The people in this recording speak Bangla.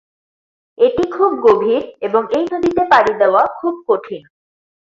এটি খুব গভীর এবং এই নদীতে পাড়ি দেওয়া খুব কঠিন।